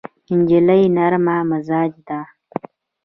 نجلۍ نرم مزاجه ده.